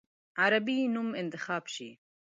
عربي نوم انتخاب شي.